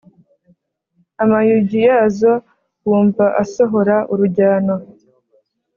amayugi yazo wumva asohora urujyano